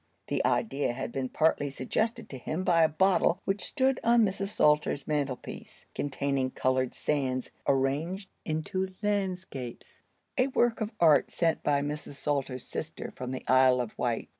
The idea had been partly suggested to him by a bottle which stood on Mrs. Salter's mantelpiece, containing colored sands arranged into landscapes; a work of art sent by Mrs. Salter's sister from the Isle of Wight.